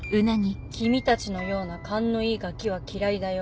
「君たちのような勘のいいガキは嫌いだよ」。